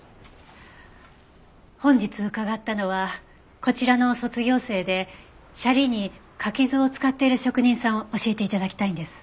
本日伺ったのはこちらの卒業生でシャリに柿酢を使っている職人さんを教えて頂きたいんです。